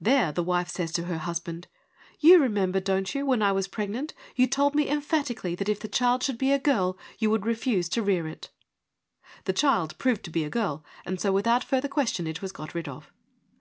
There the wife says to her husband, ' You remember, don't you, when I was pregnant, you told me emphatically that if the child should be a girl you would refuse to rear it.' The 126 FEMINISM IN GREEK LITERATURE child proved to be a girl, and so without further question it was got rid of.